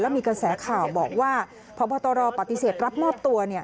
มีกระแสข่าวบอกว่าพบตรปฏิเสธรับมอบตัว